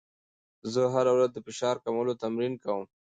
زه هره ورځ د فشار کمولو تمرین کوم.